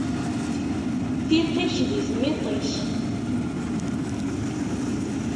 Tiṭ-ik di tmiḍt-ik.